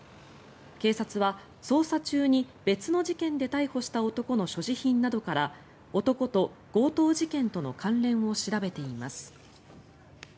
警察は捜査中に別の事件で逮捕した男の所持品などから男と強盗事件との関連を調べています。